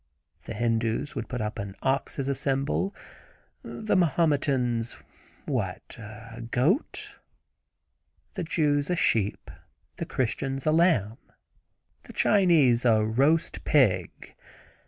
The Hindoos would put up an ox as a symbol. The Mahometans—what? a goat. The Jews a sheep. The Christians a lamb. The Chinese a roast pig.